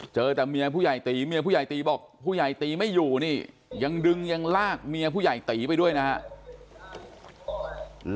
เจอแต่เมียผู้ใหญ่ตีเมียผู้ใหญ่ตีบอกผู้ใหญ่ตีไม่อยู่นี่ยังดึงยังลากเมียผู้ใหญ่ตีไปด้วยนะฮะ